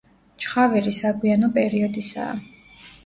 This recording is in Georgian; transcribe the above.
ჩხავერი საგვიანო პერიოდისაა.